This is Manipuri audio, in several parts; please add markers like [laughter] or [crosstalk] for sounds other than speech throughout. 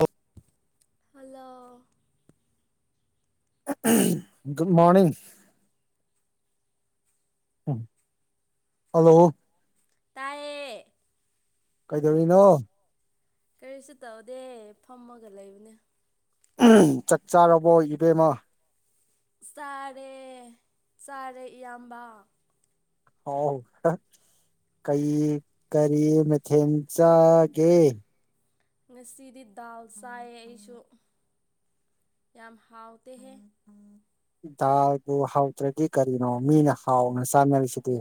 ꯑꯣ ꯍꯜꯂꯣ ꯒꯨꯗ ꯃꯣꯔꯅꯤꯡ ꯎ ꯍꯜꯂꯣ ꯇꯥꯏꯌꯦ ꯀꯩꯗꯧꯔꯤꯅꯣ ꯀꯔꯤꯁꯨ ꯇꯧꯗꯦ ꯐꯝꯃꯒ ꯂꯩꯕꯅꯦ ꯆꯥꯛ ꯆꯥꯔꯕ‌ꯣ ꯏꯕꯦꯝꯃ ꯆꯥꯔꯦ ꯆꯥꯔꯦ ꯏꯌꯥꯝꯕ ꯍꯥꯎ [unintelligible] ꯀꯩ ꯀꯔꯤ ꯃꯊꯦꯟ ꯆꯥꯒꯦ ꯉꯁꯤꯗꯤ ꯗꯥꯜ ꯆꯥꯏꯌꯦ ꯑꯩꯁꯨ ꯌꯥꯝ ꯍꯥꯎꯇ‌ꯦꯍꯦ ꯗꯥꯜꯗꯨ ꯍꯥꯎꯇ꯭ꯔꯗꯤ ꯀꯔꯤꯅꯣ ꯃꯤꯅ ꯍꯥꯎꯅ ꯆꯥꯅꯔꯤꯁꯤꯗꯤ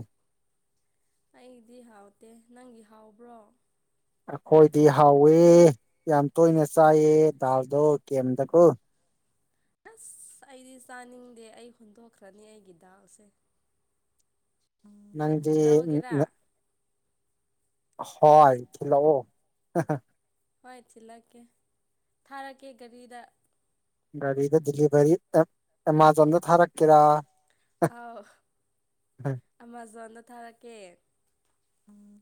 ꯑꯩꯗꯤ ꯍꯥꯎꯇꯦ ꯅꯪꯒꯤ ꯍꯥꯎꯕ꯭ꯔꯣ ꯑꯩꯈꯣꯏꯗꯤ ꯍꯥꯎꯋꯦ ꯌꯥꯝ ꯇꯣꯏꯅ ꯆꯥꯏꯌ‌ꯦ ꯗꯥꯜꯗꯣ ꯗꯤꯑꯦꯝꯗꯀ‌ꯣ ꯑꯁ ꯑꯩꯗꯤ ꯆꯥꯅꯤꯡꯗꯦ ꯑꯩ ꯍꯨꯟꯗꯣꯛꯈ꯭ꯔꯅꯤ ꯑꯩꯒꯤ ꯗꯥꯥꯜꯁꯦ ꯅꯪꯗꯤ ꯂꯧꯒꯦꯔꯥ ꯍꯣꯏ ꯊꯤꯜꯂꯛꯑꯣ ꯍꯣꯏ ꯊꯤꯜꯂꯛꯀꯦ ꯊꯥꯔꯛꯀꯦ ꯒꯥꯔꯤꯗ ꯒꯥꯔꯤꯗ ꯗꯤꯂꯤꯚꯔꯤ ꯑꯦꯞ ꯑꯦꯃꯥꯖꯣꯟꯗ ꯊꯥꯔꯛꯀꯦꯔꯥ ꯑꯥꯎ ꯑꯃꯥꯖꯣꯟꯗ ꯊꯥꯔꯛꯀꯦ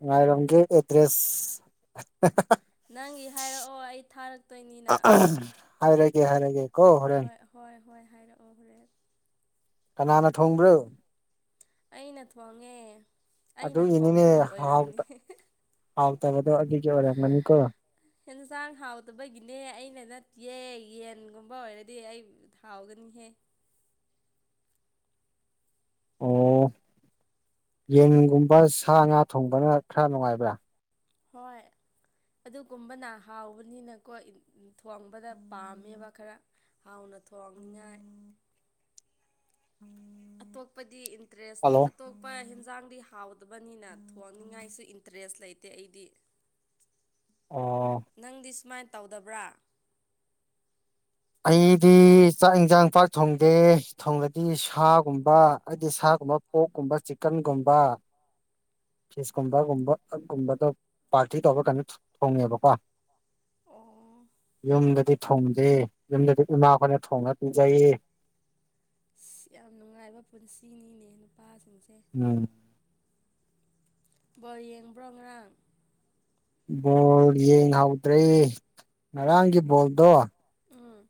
ꯉꯥꯏꯔꯝꯒ‌ꯦ ꯑꯦꯗ꯭ꯔꯦꯁ ꯅꯪꯒꯤ ꯍꯥꯏꯔꯛꯑꯣ ꯑꯩ ꯊꯥꯔꯛꯇꯣꯏꯅꯤꯅ ꯍꯥꯏꯔꯒꯦ ꯍꯥꯏꯔꯒꯦ ꯀꯣ ꯍꯣꯔꯦꯟ ꯍꯣꯏ ꯍꯣꯏ ꯍꯣꯏ ꯍꯥꯏꯔꯛꯑꯣ ꯍꯣꯔꯦꯟ ꯀꯅꯥꯅ ꯊꯣꯡꯕ꯭ꯔꯣ ꯑꯩꯅ ꯊꯣꯡꯉꯦ ꯑꯩꯅ ꯑꯗꯨꯒꯤꯅꯤꯅꯦ ꯊꯣꯡꯕꯒꯤ ꯍꯥꯎ ꯑꯣꯏꯔꯝꯅꯤ ꯍꯥꯎꯇꯕꯗꯣ ꯑꯗꯨꯒꯤ ꯑꯣꯏꯔꯝꯒꯅꯤꯀꯣ ꯍ‌ꯦꯟꯁꯥꯡ ꯍꯥꯎꯇꯕꯒꯤꯅꯦ ꯑꯩꯅ ꯅꯠꯇꯤꯌ‌ꯦ ꯌꯦꯟꯒꯨꯝꯕ ꯑꯣꯏꯔꯗꯤ ꯑꯩ ꯊꯥꯎꯒꯅꯤꯍꯦ ꯑꯣ ꯌꯦꯟꯒꯨꯝꯕ ꯁꯥ ꯉꯥ ꯊꯣꯡꯕꯅ ꯈꯔ ꯅꯨꯡꯉꯥꯏꯕ꯭ꯔꯥ ꯍꯣꯏ ꯑꯗꯨꯒꯨꯝꯕꯅ ꯍꯥꯎꯕꯅꯤꯅꯀꯣ ꯊꯣꯡꯕꯗ ꯄꯥꯝꯃꯦꯕ ꯈꯔ ꯍꯥꯎꯅ ꯊꯣꯡꯅꯤꯉꯥꯏ ꯑꯇꯣꯞꯄꯗꯤ ꯏꯟꯇꯔꯦꯁ ꯍꯜꯂꯣ ꯑꯇꯣꯞꯄ ꯍꯦꯟꯖꯥꯡꯗꯤ ꯍꯥꯎꯗꯕꯅꯤꯅ ꯊꯣꯡꯅꯤꯡꯉꯥꯏꯁꯨ ꯏꯟꯇꯔꯦꯁ ꯂꯩꯇꯦ ꯑꯩꯗꯤ ꯑꯣ ꯅꯪꯗꯤ ꯁꯨꯃꯥꯏꯟ ꯇꯧꯗꯕ꯭ꯔꯥ ꯑꯩꯗꯤ ꯆꯥꯛ ꯏꯟꯖꯥꯡ ꯄꯥꯛ ꯊꯣꯡꯗꯦ ꯊꯣꯡꯂꯗꯤ ꯁꯥꯒꯨꯝꯕ ꯑꯩꯗꯤ ꯁꯥꯒꯨꯝꯕ ꯄꯣꯛꯀꯨꯝꯕ ꯆꯤꯛꯀꯟꯒꯨꯝꯕ ꯐꯤꯁꯀꯨꯝꯕꯒꯨꯝꯕ ꯑꯗꯨꯨꯝꯕꯗꯣ ꯄꯥꯔꯇꯤ ꯇꯧꯔꯒ ꯀꯩꯅꯣ ꯊꯣꯡꯉꯦꯕꯀꯣ ꯑꯣ ꯌꯨꯝꯗꯗꯤ ꯊꯣꯡꯗꯦ ꯌꯨꯝꯗꯗꯤ ꯏꯃꯥ ꯈꯣꯏꯅ ꯊꯣꯡꯅ ꯄꯤꯖꯩ ꯑꯁ ꯌꯥꯝ ꯅꯨꯡꯉꯥꯏꯕ ꯄꯨꯟꯁꯤꯅꯤꯅꯦ ꯅꯨꯄꯥꯁꯤꯡꯁꯦ ꯎꯝ ꯕꯣꯜ ꯌꯦꯡꯕ꯭ꯔꯣ ꯉꯔꯥꯡ ꯕꯣꯜ ꯌꯦꯡꯍꯧꯗ꯭ꯔꯦ ꯉꯔꯥꯡꯒꯤ ꯕꯣꯜꯗꯣ ꯎꯝ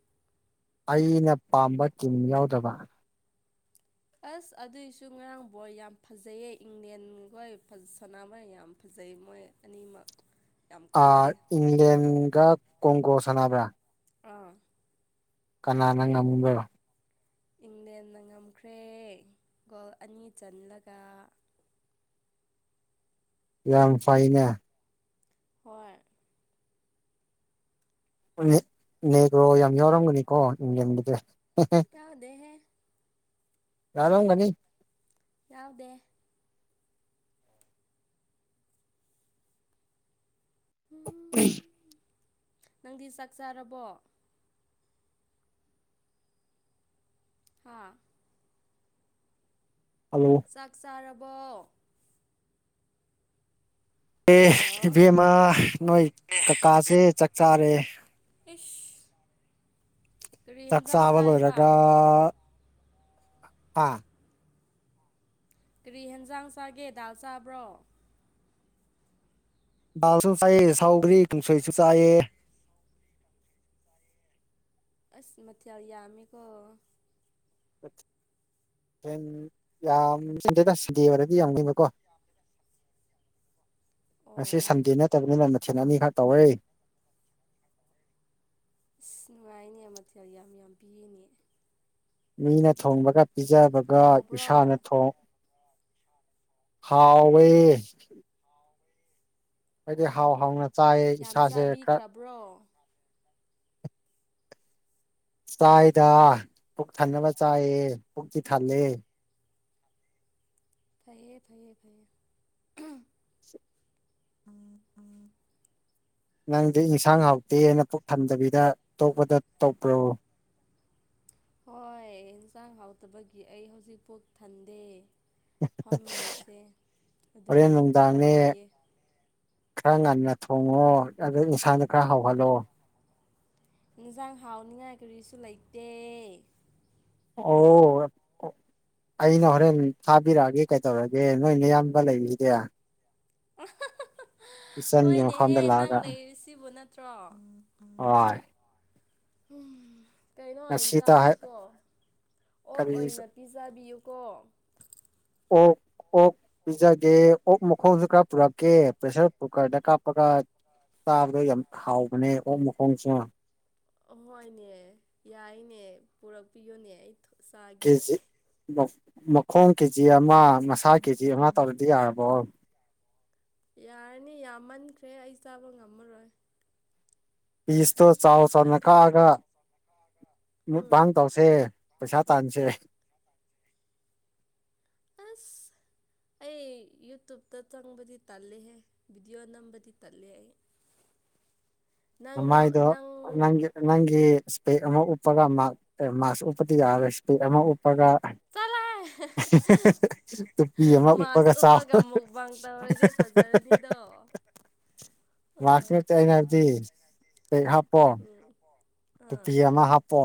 ꯑꯩꯅ ꯄꯥꯝꯕ ꯇꯤꯝ ꯌꯥꯎꯗꯕ ꯑꯁ ꯑꯗꯨꯏꯁꯨ ꯉꯔꯥꯡ ꯕ‌ꯣꯜ ꯌꯥꯝ ꯐꯖꯩꯌ‌ꯦ ꯏꯪꯂꯦꯟꯈꯣꯏ ꯁꯥꯟꯅꯕꯣꯏ ꯌꯥꯝ ꯐꯖꯩ ꯃꯣꯏ ꯑꯅꯤꯃꯛ ꯌꯥꯝ ꯑ ꯀꯜꯂꯦ ꯏꯪꯂꯦꯟꯒ ꯀꯣꯡꯒꯣ ꯁꯥꯟꯅꯕ꯭ꯔꯥ ꯑꯥ ꯀꯅꯥꯅ ꯉꯝꯈ꯭ꯔꯣ ꯏꯪꯂꯦꯟꯅ ꯉꯝꯈ꯭ꯔꯦ ꯒꯣꯜ ꯑꯅꯤ ꯆꯜꯂꯒ ꯌꯥꯝ ꯐꯥꯏꯅꯦ ꯍꯣꯏ ꯅꯦꯒ꯭ꯔꯣ ꯌꯥꯝ ꯌꯥꯎꯔꯝꯒꯅꯤꯀꯣ ꯌꯦꯡꯕꯁꯦ ꯌꯥꯎꯗꯦꯍꯦ ꯌꯥꯥꯎꯔꯝꯒꯅꯤ ꯌꯥꯎꯗꯦ ꯅꯪꯗꯤ ꯆꯥꯛ ꯆꯥꯔꯕꯣ ꯍꯥꯥ ꯍꯜꯂꯣ ꯆꯥꯛ ꯆꯥꯔꯕꯣ ꯑꯦ ꯍꯜꯂꯣ ꯏꯕꯦꯝꯃ ꯅꯣꯏ ꯀꯀꯥꯁꯦ ꯆꯥꯛ ꯆꯥꯔꯦ ꯏꯁ ꯀꯔꯤ ꯆꯥꯛ ꯌꯦꯟꯖꯥꯡ ꯆꯥꯕ ꯆꯥꯏꯕ ꯂꯣꯏꯔꯒ ꯑꯥ ꯀꯔꯤ ꯍꯦꯟꯖꯥꯡ ꯆꯥꯒꯦ ꯗꯥꯜ ꯆꯥꯕ꯭ꯔꯣ ꯕꯥꯜꯁꯨ ꯆꯥꯏꯑꯌꯦ ꯁꯥꯎꯈ꯭ꯔꯤ ꯀꯨꯡꯁꯣꯏꯁꯨ ꯆꯥꯏꯑ ꯑꯁ ꯃꯊꯦꯜ ꯌꯥꯝꯃꯦꯀꯣ ꯌꯥꯝ [unintelligible] ꯑꯣꯏꯔꯗꯤ ꯌꯥꯝ [unintelligible] ꯉꯁꯤ ꯑꯣ ꯁꯟꯗꯦ ꯅꯠꯇꯕꯅꯤꯅ ꯃꯊꯤꯟ ꯑꯅꯤꯈꯛ ꯇꯧꯔꯏ ꯑꯁ ꯅꯨꯡꯉꯥꯏꯅꯦ ꯃꯇꯊꯜ ꯌꯥꯝ ꯌꯥꯝ ꯄꯤꯔꯤꯅꯦ ꯃꯤꯅ ꯊꯣꯡꯕꯒ ꯄꯤꯖꯕꯒ ꯏꯁꯥꯅ ꯍꯥꯎꯕ꯭ꯔꯣ ꯊꯣꯡ ꯍꯥꯎꯋꯦ ꯍꯥꯏꯗꯤ ꯍꯥꯎ ꯍꯥꯎꯅ ꯆꯥꯏꯌꯦ ꯏꯁꯥꯁꯦ ꯈꯔ ꯕꯔꫭ ꯆꯥꯏꯗ ꯄꯨꯛ ꯊꯟꯅꯕ ꯆꯥꯏꯑ ꯄꯨꯛꯇꯤ ꯊꯜꯂꯦ ꯐꯩꯌꯦ ꯐꯩꯌꯦ ꯐꯩꯌꯦ ꯅꯪꯗꯤ ꯏꯟꯁꯥꯡ ꯍꯥꯎꯇꯦꯅ ꯄꯨꯛ ꯊꯟꯗꯕꯤꯗ ꯇꯣꯛꯄꯗ ꯇꯧꯕꯄ꯭ꯔꯣ ꯍꯣꯏ ꯑꯦꯟꯁꯥꯡ ꯍꯥꯎꯇꯕꯒꯤ ꯑꯩ ꯍꯧꯖꯤꯛꯐꯥꯎ ꯊꯟꯗꯦ ꯐꯝꯃꯤꯁꯦ ꯍꯣꯔꯦꯟ ꯑꯗꯨꯒꯤꯅꯤ ꯊꯕꯛ ꯅꯨꯡꯗꯥꯡꯅꯦ ꯂꯩꯌꯦ ꯈꯔ ꯉꯟꯅ ꯊꯣꯡꯉꯣ ꯑꯗ ꯏꯟꯁꯥꯗ ꯈꯔ ꯍꯥꯎꯍꯜꯂꯣ ꯏꯟꯖꯥꯡ ꯍꯥꯎꯅꯤꯉꯥꯏ ꯀꯔꯤꯁꯨ ꯂꯩꯇꯦ ꯑꯣ ꯑꯩꯅ ꯍꯣꯔꯦꯟ ꯊꯥꯕꯤꯔꯛꯑꯒꯦ ꯀꯩꯗꯧꯔꯒꯦ ꯅꯣꯏꯅꯌꯥꯝꯕ ꯂꯩꯔꯤꯁꯤꯗꯤ [inaudible] ꯏꯆꯟꯒꯤ ꯍꯣꯏꯅꯦꯍꯦ ꯃꯐꯝꯗ ꯅꯪ ꯂꯥꯛꯑꯒ ꯂꯩꯔꯤ ꯁꯤꯕꯨ ꯅꯠꯇ꯭ꯔꯣ ꯍꯣꯏ [unintelligible] ꯀꯩꯅꯣ ꯑꯣꯏꯅ ꯉꯁꯤꯇ ꯆꯥꯁꯤꯀꯣ ꯑꯣꯛ ꯀꯔꯤ ꯑꯣꯏꯅ ꯄꯤꯖꯕꯤꯌꯨꯀꯣ ꯑꯣꯛ ꯑꯣꯛ ꯄꯤꯖꯒꯦ ꯑꯣꯛ ꯃꯈꯣꯡꯁꯨ ꯈꯔ ꯄꯨꯔꯛꯀꯦ ꯄ꯭ꯔꯦꯁꯔ ꯀꯨꯀꯔꯗ ꯀꯥꯞ [unintelligible] ꯆꯥꯕꯗ ꯌꯥꯝ ꯍꯥꯎꯕꯅꯦ ꯑꯣꯛ ꯃꯈꯣꯡꯁꯨ ꯑꯍꯣꯏꯅꯦ ꯌꯥꯏꯅꯦ ꯄꯨꯔꯛꯄꯤꯌꯨꯅꯦ ꯑꯩ ꯆꯥꯒꯦ ꯀꯦꯖꯤ ꯃꯈꯣꯡ ꯀꯦ ꯖꯤ ꯑꯃ ꯃꯁꯥ ꯀꯦ ꯖꯤ ꯑꯃ ꯇꯧꯔꯗꯤ ꯌꯥꯔꯕꯣ ꯌꯥꯔꯅꯤ ꯌꯥꯝꯃꯟꯈ꯭ꯔꯦ ꯑꯩ ꯆꯥꯕ ꯉꯝꯃꯔꯣꯏ ꯄꯤꯁꯇꯣ ꯆꯥꯎ ꯆꯥꯎꯅ ꯇꯪꯈꯥꯏ ꯀꯛꯑꯒ ꯎꯝ ꯃꯨꯛꯕꯥꯥꯡ ꯇꯧꯁ ꯁꯦ ꯄꯩꯁꯥ ꯇꯥꯟꯁꯦ ꯑꯁ ꯑꯩ ꯌꯨꯇꯕꯇ ꯆꯪꯕꯗꯤ ꯇꯜꯂꯦꯍꯦ ꯚꯤꯗꯤꯑꯣ ꯅꯝꯕꯗꯤ ꯇꯜꯂꯦ ꯑꯩ ꯅꯪ ꯃꯃꯥꯏꯗꯣ ꯅꯪ ꯅꯪꯒꯤ ꯅꯪꯒꯤ ꯏꯁꯄꯦꯛ ꯑꯃ ꯎꯞꯄꯒ ꯃꯥ ꯃꯥꯁ ꯎꯞꯄꯗꯤ ꯌꯥꯔꯦ ꯏꯁꯄꯦꯛ ꯑꯃ ꯎꯞꯄꯒ ꯑ [unintelligible] ꯑꯃ ꯃꯥꯁꯖ ꯆꯥꯎ ꯎꯞꯄꯒ ꯑꯃꯨꯛꯕꯥꯡ ꯇꯧꯔꯗꯤ ꯐꯖꯔꯅꯤꯗꯣ ꯑꯥ ꯃꯥꯁꯖ ꯅꯠꯇꯦ ꯑꯩꯅ ꯍꯥꯏꯕꯗꯤ [unintelligible] ꯍꯥꯞꯄꯣ ꯎꯝ ꯑꯥ ꯇꯨꯄꯤ ꯑꯃ ꯍꯥꯞꯄꯣ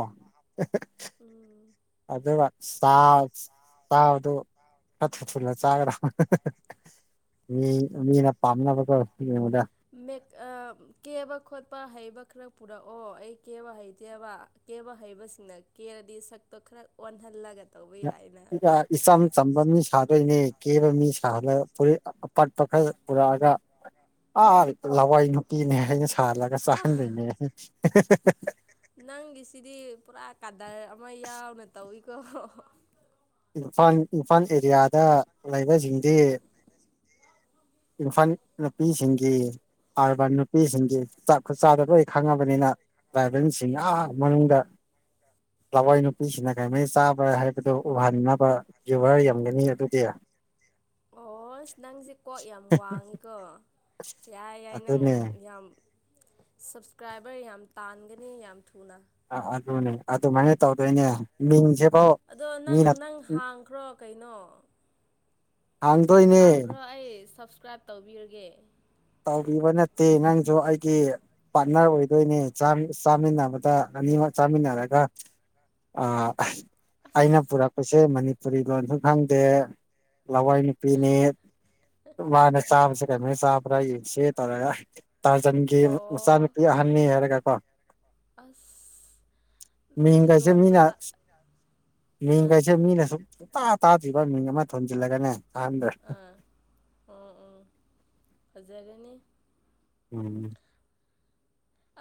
ꯎꯝ ꯑꯗꯒ ꯆꯥ ꯆꯥꯕꯗꯨ ꯈꯔ ꯊꯨꯅ ꯆꯥꯒꯗꯅꯩ ꯃꯤ ꯃꯤꯅ ꯄꯥꯝꯅꯕꯗꯣ ꯌꯦꯡꯕꯗ ꯀꯦꯕ ꯑꯥ ꯀꯦꯕ ꯍꯩꯕ ꯈꯣꯠꯄ ꯍꯩꯕ ꯈꯔ ꯄꯨꯔꯛꯑꯣ ꯑꯩ ꯀꯦꯕ ꯍꯩꯇꯦꯕ ꯀꯦꯕ ꯍꯩꯕꯁꯤꯡꯅ ꯀꯦꯔꯗꯤ ꯁꯛꯇꯣ ꯈꯔ ꯑꯣꯟꯍꯜꯂꯒ ꯇꯧꯕ ꯌꯥꯏꯅ ꯏꯆꯝ ꯆꯝꯕ ꯃꯤ ꯁꯥꯗꯣꯏꯅꯦ ꯀꯦꯕ ꯃꯤ ꯁꯥꯍꯟꯂ ꯐꯨꯂꯤꯠ ꯄꯠꯄ ꯈꯔ ꯄꯨꯔꯛꯑꯒ ꯑꯥ ꯂꯋꯥꯏ ꯅꯨꯄꯤꯅꯦ ꯑꯩꯅ ꯁꯥꯍꯜꯂꯒ ꯆꯥꯍꯟꯗꯣꯏꯅꯦ ꯅꯪꯒꯤ ꯁꯤꯗꯤ ꯄꯨꯔꯥ ꯀꯥꯗꯔ ꯑꯃ ꯌꯥꯎꯅ ꯇꯧꯏꯀꯣ ꯏꯝꯐꯜ ꯏꯝꯐꯥꯜ ꯑꯦꯔꯤꯌꯥꯗ ꯂꯩꯕꯁꯤꯡꯗꯤ ꯏꯝꯐꯥꯜ ꯅꯨꯄꯤꯁꯤꯡꯒꯤ ꯑꯔꯕ ꯅꯨ ꯅꯨꯄꯤꯁꯤꯡꯗꯤ ꯆꯥꯛ ꯈꯨꯠ ꯆꯥꯗ ꯂꯣꯏ ꯈꯪꯉꯕꯅꯤꯅ ꯗ꯭ꯔꯥꯏꯕꯦꯟꯁꯤꯡ ꯑꯥ ꯃꯅꯨꯡꯗ ꯑ ꯂꯋꯥꯏ ꯅꯨꯄꯤꯁꯤꯅ ꯀꯔꯤꯃꯥꯏ ꯆꯥꯕ ꯍꯥꯏꯕꯗꯨ ꯎꯍꯟꯅꯕ ꯌꯨꯚꯔ ꯌꯝꯒꯅꯤ ꯑꯗꯨꯗꯤ ꯑꯣꯁ ꯅꯪꯁꯦ ꯀꯣꯛ ꯌꯥꯝ ꯋꯥꯡꯉꯤꯀꯣ ꯌꯥꯏ ꯌꯥꯏ ꯅꯪ ꯑꯗꯨꯅꯦ ꯌꯥꯝ ꯁꯞꯁꯀ꯭ꯔꯥꯏꯕꯔ ꯌꯥꯝ ꯇꯥꯟꯒꯅꯤ ꯌꯥꯝ ꯊꯨꯅ ꯑ ꯑꯗꯨꯅꯦ ꯑꯗꯨꯃꯥꯏꯅ ꯇꯧꯗꯣꯏꯅꯦ ꯃꯤꯡꯁꯦꯐꯧ ꯑꯗꯣ ꯅꯪ ꯅꯪ ꯍꯥꯡꯈ꯭ꯔꯣ ꯀꯩꯅꯣ ꯍꯥꯡꯗꯣꯏꯅꯦ ꯍꯥꯡꯈ꯭ꯔꯣ ꯑꯩ ꯁꯞꯁꯀ꯭ꯔꯥꯏꯞ ꯇꯧꯕꯤꯔꯒꯦ ꯇꯧꯕꯤꯕ ꯅꯠꯇꯦ ꯅꯪꯁꯨ ꯑꯩꯒꯤ ꯄꯥꯔꯠꯅꯔ ꯑꯣꯏꯗꯣꯏꯅꯦ ꯆꯥꯝ ꯆꯥꯃꯤꯟꯅꯕꯗ ꯑꯅꯤꯃꯛ ꯆꯥꯃꯤꯟꯅꯔꯒ ꯑꯩꯅ ꯑꯁ ꯄꯨꯔꯛꯄꯁꯦ ꯃꯅꯤꯄꯨꯔꯤ ꯂꯣꯟꯁꯨ ꯈꯪꯗꯦ ꯂꯋꯥꯏ ꯄꯤꯅꯦ ꯃꯥꯅ ꯆꯥꯕꯁꯦ ꯀꯩꯅꯃꯣ ꯆꯥꯕ꯭ꯔꯥ ꯌꯦꯡꯁꯤ ꯇꯧꯔꯒ ꯇꯥꯖꯟ ꯒꯤ ꯑꯣ ꯃꯆꯥꯅꯨꯄꯤ ꯑꯍꯟꯅꯤ ꯍꯥꯏꯔꯒ ꯀꯣ ꯑꯁ ꯃꯤ ꯀꯁꯦ ꯌꯣꯟꯕ ꯃꯤꯅ ꯇ ꯑꯥ ꯃꯤꯡꯒꯩꯁꯦ ꯃꯤꯅ ꯁꯨꯝꯨꯡꯇꯥ ꯇꯥꯗ꯭ꯔꯤꯕ ꯃꯤꯡ ꯑꯃ ꯊꯣꯟꯖꯤꯜꯂꯒꯅꯦ ꯑꯍꯥꯟꯕꯗ꯭ꯔ ꯑꯥ ꯑꯣ ꯑꯣ ꯐꯖꯔꯦꯅꯦ ꯎꯝ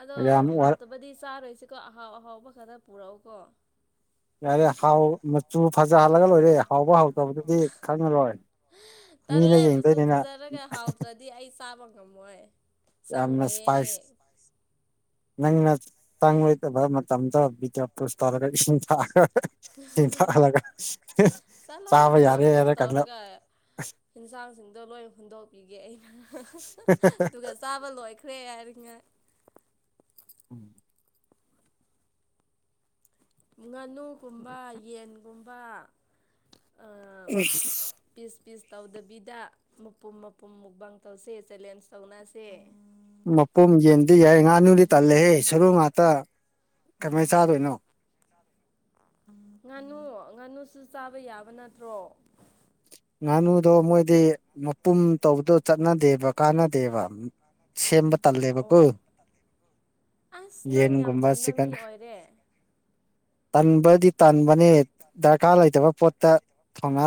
ꯑꯗꯣ ꯌꯥꯝ ꯋꯥ ꯍꯥꯎꯇꯕꯗꯤ ꯆꯥꯔꯣꯏꯁꯤꯀꯣ ꯑꯍꯥꯎ ꯑꯍꯥꯎꯕ ꯈꯔ ꯄꯨꯔꯛꯎꯀꯣ ꯌꯥꯔꯦ ꯍꯥꯎ ꯃꯆꯨ ꯐꯖꯍꯜꯂꯒ ꯂꯣꯏꯔꯦ ꯍꯥꯎꯕ ꯍꯥꯎꯇꯕꯗꯨꯗꯤ ꯈꯪꯉꯔꯣꯏ ꯃꯤꯅ ꯇꯜꯂꯦ ꯃꯆꯨ ꯌꯦꯡꯗꯣꯏꯅꯤꯅ ꯐꯖꯔꯒ ꯍꯥꯎꯗ꯭ꯔꯗꯤ ꯑꯩ ꯆꯥꯕ ꯉꯝꯃꯣꯏ ꯆꯪꯉꯣꯏꯌꯦ ꯑꯩ ꯅꯪ ꯅ ꯇꯥꯡ ꯑꯣꯈꯣꯏꯕ ꯃꯇꯝꯗ ꯕꯤꯗꯤꯑꯣ ꯇꯨꯁ ꯇꯧꯔꯒ ꯏꯁꯤꯡ ꯊꯥꯛꯑꯒ ꯏꯁꯤꯡ ꯊꯛꯍꯜꯂꯒ ꯆꯠꯂꯣꯍꯦ ꯆꯥꯕ ꯚꯤꯗꯤꯑꯣ ꯌꯥꯔꯦ ꯄꯣꯁ ꯍꯥꯏꯔ ꯀꯥꯟꯗ ꯇꯧꯔꯒ ꯌꯦꯟꯁꯥꯡꯁꯤꯡꯗꯣ ꯂꯣꯏ ꯍꯨꯟꯗꯣꯛꯄꯤꯒꯦ ꯑꯩꯅ [unintelligible] ꯑꯗꯨꯒ ꯆꯥꯕ ꯂꯣꯏꯈ꯭ꯔꯦ ꯍꯥꯏꯔꯤꯉꯩ ꯎꯝ ꯉꯥꯅꯨꯒꯨꯝꯕ ꯌꯦꯟꯒꯨꯝꯕ ꯑꯥ ꯄꯤꯁ ꯄꯤꯁ ꯇꯧꯗꯕꯤꯗ ꯃꯄꯨꯝ ꯃꯄꯨꯝ ꯃꯨꯛꯕꯥꯥꯡ ꯇꯧꯁꯦ ꯆꯦꯂꯦꯟꯖ ꯇꯧꯅꯁꯦ ꯃꯄꯣꯝ ꯌꯦꯟꯗꯤ ꯌꯥꯏ ꯉꯥꯅꯨꯗꯤ ꯇꯜꯂꯦꯍꯦ ꯁꯔꯨ ꯉꯥꯛꯇ ꯀꯃꯥꯏꯅ ꯆꯥꯗꯣꯏꯅꯣ ꯉꯥꯅꯨ ꯉꯥꯅꯨꯁꯨ ꯆꯥꯕ ꯌꯥꯕ ꯅꯠꯇ꯭ꯔꯣ ꯉꯥꯅꯨꯗꯣ ꯃꯣꯏꯗꯤ ꯃꯄꯨꯝ ꯇꯧꯕꯗꯣ ꯆꯠꯅꯗꯦꯕ ꯀꯥꯟꯅꯗꯦꯕ ꯁꯦꯝꯕ ꯇꯜꯂꯦꯕꯀꯣ ꯑꯣ ꯑꯁ ꯅꯪ ꯌꯥꯝ ꯌꯦꯟꯒꯨꯝꯕ ꯇꯟꯕ ꯃꯤ ꯆꯤꯛꯀꯟ ꯑꯣꯏꯔꯦ ꯇꯟꯕꯗꯤ ꯇꯟꯥꯟꯕꯅꯦ ꯗꯔꯀꯥꯔ ꯂꯩꯇꯕ ꯄꯣꯠꯇ ꯊꯣꯉ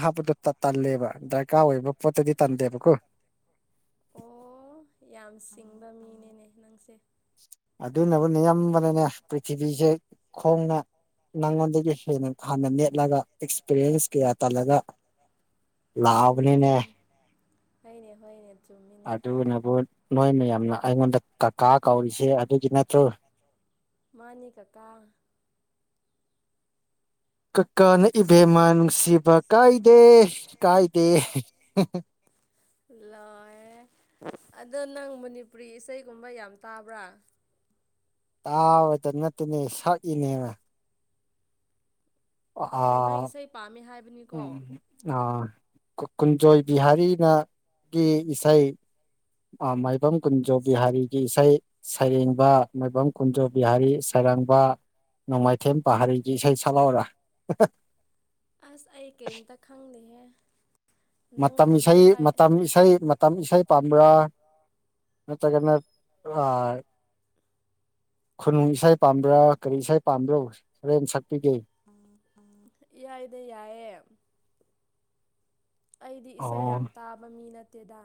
ꯑ ꯍꯥꯥꯞꯄꯗꯨꯣ ꯇꯜꯂꯦꯕ ꯗꯔꯀꯥꯔ ꯑꯣꯏꯕ ꯄꯣꯠꯇꯗꯤ ꯇꯟꯗꯦꯕꯀꯣ ꯑꯣ ꯌꯥꯝ ꯁꯤꯡꯕ ꯃꯤꯅꯦꯅꯦ ꯅꯪꯁꯦ ꯑꯗꯨꯅꯕꯨꯅꯤꯌꯥꯝꯕꯅꯅꯦ ꯄ꯭ꯔꯤꯊꯤꯕꯤꯁꯦ ꯈꯣꯡꯅ ꯅꯪꯉꯣꯟꯗꯒꯤ ꯍꯦꯟꯅ ꯍꯥꯟꯅ ꯅꯦꯠꯂꯒ ꯑꯦꯛꯁꯄꯤꯔꯤꯌꯦꯟꯁ ꯀꯌꯥ ꯇꯂꯒ ꯂꯕꯅꯤꯅꯦ ꯍꯩꯅꯦ ꯍꯣꯏꯅꯦ ꯆꯨꯝꯃꯤꯅꯦ ꯑꯗꯨꯅꯕꯨ ꯅꯣꯏ ꯃꯌꯥꯝꯅ ꯑꯩꯉꯣꯟꯗ ꯀꯀꯥ ꯀꯧꯔꯤꯁꯦ ꯑꯗꯨꯒꯤ ꯅꯠꯇ꯭ꯔꯣ ꯃꯥꯅꯤ ꯀꯀꯥ ꯀꯀꯥꯅ ꯏꯕꯦꯝꯃꯥꯟ ꯅꯨꯡꯁꯤꯕ ꯀꯥꯏꯗꯦ ꯀꯥꯏꯗꯦ ꯂꯣꯏꯔꯦ ꯑꯗꯣ ꯅꯪ ꯃꯅꯤꯄꯨꯔꯤ ꯏꯁꯩꯒꯨꯝꯕ ꯌꯥꯝ ꯇꯥꯕ꯭ꯔꯥ ꯇꯥꯕꯗ ꯅꯠꯇꯅꯦ ꯁꯛꯏꯅꯦꯕ ꯑꯣ ꯅꯪ ꯑꯥ ꯏꯁꯩ ꯄꯥꯝꯃꯦ ꯎꯝ ꯍꯥꯏꯕꯅꯤꯀꯣ ꯑ ꯀꯨꯟꯖꯣꯏ ꯕꯤꯍꯥꯔꯤꯅ ꯒꯤ ꯏꯁꯩ ꯃꯥꯏꯕꯝ ꯀꯨꯟꯖꯣ ꯕꯤꯍꯥꯔꯤꯒꯤ ꯏꯁꯩ ꯁꯩꯔꯦꯡꯕ ꯃꯥꯏꯕꯝ ꯀꯨꯟꯖꯣ ꯕꯤꯍꯥꯔꯤ ꯁꯩꯔꯥꯡꯕ ꯅꯣꯡꯃꯥꯏꯊꯦꯝ ꯄꯥꯔꯤꯒꯤ ꯏꯁꯩ ꯁꯛꯂꯥꯎꯔ ꯑꯁ ꯑꯩ ꯀꯔꯤꯝꯇ ꯈꯪꯗꯦꯍꯦ ꯅꯪ ꯃꯇꯝ ꯏꯁꯩ ꯍꯧꯖꯤꯛ ꯍꯥꯏ ꯃꯇꯝ ꯏꯁꯩ ꯏꯁꯩꯥꯏ ꯄꯥꯔꯥ ꯅꯠꯇꯒꯅ ꯑ ꯈꯨꯅꯨꯡ ꯏꯁꯩ ꯄꯥꯝꯕ꯭ꯔꯥ ꯀꯔꯤ ꯏꯁꯩ ꯄꯥꯝꯕ꯭ꯔꯣ ꯍꯔꯦꯟ ꯁꯛꯄꯤꯒꯦ ꯌꯥꯏꯗ ꯌꯥꯏꯌꯦ ꯑꯩꯗꯤ ꯏꯁꯩ ꯌꯥꯝ ꯑꯣ ꯇꯥꯕ ꯃꯤ ꯅꯠꯇꯦꯗ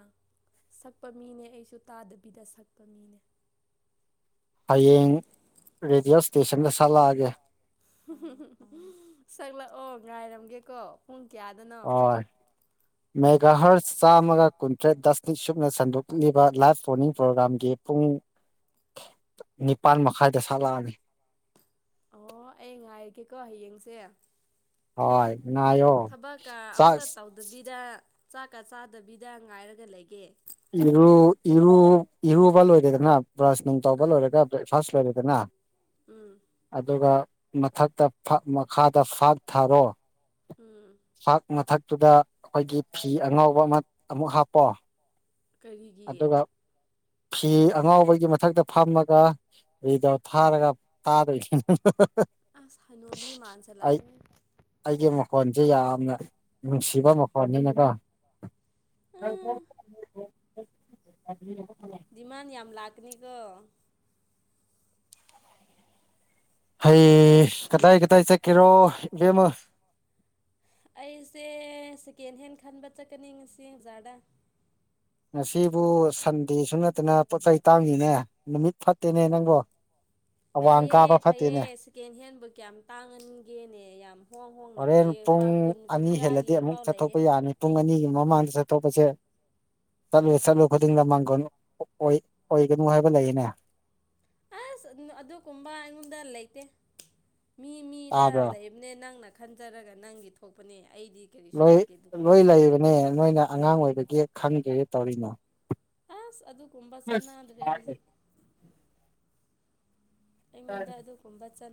ꯁꯛꯄ ꯃꯤꯅꯦ ꯑꯩꯁꯨ ꯇꯥꯗꯕꯤꯗ ꯁꯛꯄ ꯃꯤꯅꯦ ꯍꯌꯦꯡ ꯔꯦꯗꯤꯑꯣꯁ ꯁꯟ ꯁꯛꯂꯛꯑꯣ ꯉꯥꯏꯔꯝꯒꯦꯀꯣ ꯄꯨꯡ ꯀꯌꯥꯗꯅꯣ ꯃꯦꯒꯥꯍꯔꯁ ꯆꯥꯝꯃꯒ ꯀꯨꯟꯇ꯭ꯔꯦꯠ ꯗꯁꯅꯤꯛ ꯁꯨꯞꯅ ꯁꯟꯗꯣꯛꯂꯤꯕ ꯂꯥꯏꯐ ꯇ꯭ꯔꯣꯅꯤꯡ ꯄ꯭ꯔꯣꯒꯥ꯭ꯔꯥꯝꯒꯤ ꯄꯨꯡ ꯅꯤꯄꯥꯜ ꯃꯈꯥꯏꯗ ꯁꯥꯠꯂꯛꯑꯅꯤ ꯑꯣ ꯑꯩ ꯉꯥꯏꯔꯒꯦꯀꯣ ꯍꯌꯦꯡꯁꯦ ꯍꯣꯏ ꯉꯥꯏꯌꯣ ꯆꯥꯛ ꯕꯤꯗ ꯆꯥꯛꯀ ꯆꯥꯗꯕꯤꯗ ꯉꯥꯏꯔꯒ ꯂꯩꯒꯦ ꯏꯔꯨ ꯏꯔꯨ ꯏꯔꯨꯕ ꯂꯣꯏꯔꯦꯗꯅ ꯕ꯭ꯔꯁ ꯅꯨꯡ ꯇꯧꯕ ꯑꯥ ꯂꯣꯏꯔꯦꯒ ꯕ꯭ꯔꯦꯛꯐꯥꯁ ꯂꯣꯏꯔꯦꯗꯅ ꯎꯝ ꯑꯗꯨꯒ ꯃꯊꯛꯇ ꯃꯈꯥꯗ ꯐꯥꯥꯛ ꯊꯥꯔꯣ ꯎꯝ ꯆꯥꯛ ꯃꯊꯛꯇꯨꯗ ꯑꯩꯈꯣꯏꯒꯤ ꯐꯤ ꯑꯉꯥꯎꯕ ꯑꯃ ꯑꯃꯨꯛ ꯍꯥꯞꯄꯣ ꯀꯔꯤꯒꯤ ꯑꯗꯨꯒ ꯐꯤ ꯑꯉꯥꯎꯕꯒꯤ ꯃꯊꯛꯇ ꯐꯝꯃꯒ ꯑꯩꯗ ꯊꯥꯔꯒ ꯇꯥꯔ ꯑꯁ ꯍꯅꯨꯕꯤꯃꯥꯟꯖꯂꯑ ꯑꯩꯒꯤ ꯃꯈꯣꯟꯁꯦ ꯌꯥꯝꯅ ꯅꯨꯡꯁꯤꯕ ꯃꯈꯣꯟꯅꯤꯅꯀ ꯎꯝ [unintelligible] ꯗꯤꯃꯥꯟ ꯌꯥꯝ ꯂꯥꯛꯀꯅꯤꯀꯣ ꯍꯌꯦ ꯀꯗꯥꯏ ꯀꯗꯥꯏ ꯆꯠꯀꯦꯔꯣ ꯏꯕꯦꯝꯃ ꯑꯩꯁꯦ ꯁꯦꯀꯦꯟ ꯍꯦꯟ ꯈꯟꯕ ꯆꯠꯀꯅꯤ ꯉꯁꯤ ꯕꯖꯥꯔꯗ ꯉꯁꯤꯕꯨ ꯁꯟꯗꯦꯁꯨ ꯅꯠꯇꯅ ꯄꯣꯠ ꯆꯩ ꯇꯥꯡꯉꯤꯅꯦ ꯅꯨꯃꯤꯠ ꯐꯠꯇꯦꯅꯦ ꯅꯪꯕꯣ ꯑꯋꯥꯡ ꯐꯩꯌꯦꯦ ꯀꯥꯕ ꯐꯩꯌꯦ ꯐꯠꯇꯦꯅꯦ ꯁꯦꯀꯦꯟ ꯍꯦꯟꯕꯨꯛ ꯀꯌꯥꯝ ꯇꯥꯡꯍꯟꯒꯦꯅꯦ ꯌꯥꯝ ꯍꯣꯡ ꯍꯣꯡꯅ ꯍꯣꯔꯦꯟ ꯐꯩꯌꯦ ꯄꯨꯡ ꯄꯥꯛ ꯀꯨꯟ ꯑꯅꯤ ꯍꯦꯜꯂꯗꯤ ꯀꯨꯟꯊ꯭ꯔꯥꯒꯤ ꯑꯃꯨꯛ ꯄꯥꯎ ꯂꯩꯌꯦ ꯆꯠꯊꯣꯛꯄ ꯌꯥꯅꯤ ꯄꯨꯡ ꯑꯅꯤꯒꯤ ꯃꯃꯥꯡꯗ ꯆꯠꯊꯣꯛꯄꯁꯦ ꯆꯠꯂꯨ ꯆꯠꯂꯨ ꯈꯨꯗꯤꯡꯗ ꯃꯥꯡꯒꯨ ꯑꯣꯏꯒꯅꯨ ꯍꯥꯏꯕ ꯂꯩꯌꯦꯅꯦ ꯑꯁ ꯑꯗꯨꯒꯨꯝꯕ ꯑꯩꯉꯣꯟꯗ ꯂꯩꯇꯦ ꯃꯤ ꯃꯤꯗ ꯇꯥꯕ꯭ꯔꯣ ꯂꯩ ꯅꯦ ꯅꯪꯅ ꯈꯟꯖꯔꯒ ꯅꯪꯒꯤ ꯊꯣꯛꯄꯅꯦ ꯑꯩꯗꯤ ꯀꯔꯤꯁꯨ ꯂꯣꯏ ꯂꯩꯇꯦ ꯂꯣꯏ ꯑꯗꯨꯒꯨꯝꯕ ꯂꯩꯕꯅꯦ ꯅꯣꯏꯅ ꯑꯉꯥꯡ ꯑꯣꯏꯕꯒꯤ ꯈꯪꯗꯦ ꯇꯧꯔꯤꯅꯣ ꯑꯁ ꯑꯗꯨꯒꯨꯝꯕ ꯆꯥꯟꯅꯗ꯭ꯔꯦ ꯍꯧꯖꯤꯛ ꯑꯩꯉꯣꯟꯗ ꯑꯗꯨꯒꯨꯝꯕ ꯆ